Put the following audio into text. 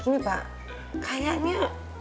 gini pak kayaknya